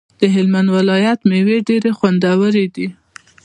د هلمند ولایت ميوی ډيری خوندوری دی